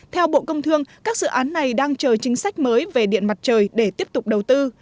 theo bộ công thương các dự án này đang chờ chính sách mới về điện mặt trời để tiếp tục đầu tư